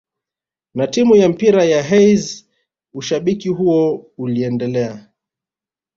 na timu ya mpira ya Hayes ushabiki huo uliendelea